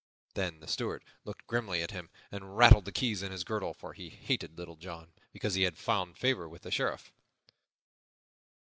Then the Steward looked grimly at him and rattled the keys in his girdle, for he hated Little John because he had found favor with the Sheriff.